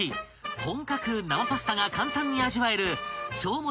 ［本格生パスタが簡単に味わえる］